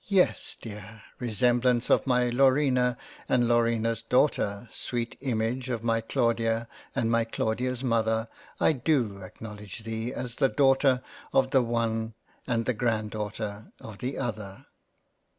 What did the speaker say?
Yes dear resemblance of my Laurina and Laurina's Daughter, sweet image of my Claudia and my Claudia's Mother, I do acknow ledge thee as the Daughter of the one and the Grandaughter of the other."